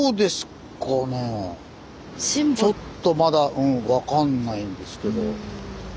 ちょっとまだ分かんないんですけど。